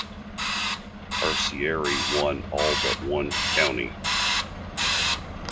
Carcieri won all but one county.